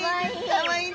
かわいい。